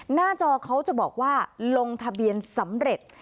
หน้าจอเขาจะบอกว่าลงทะเบียนสำเร็จ